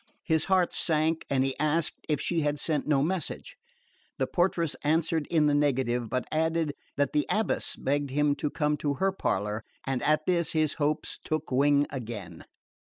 His heart sank, and he asked if she had sent no message. The portress answered in the negative, but added that the abbess begged him to come to her parlour; and at this his hopes took wing again.